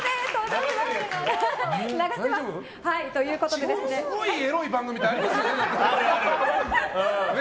地方ですごいエロい番組ってありますよね。